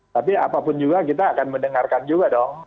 tapi apapun juga kita akan mendengarkan juga dong